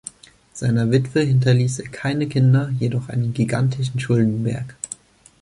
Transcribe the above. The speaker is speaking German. Seiner Witwe hinterließ er keine Kinder, jedoch einen gigantischen Schuldenberg.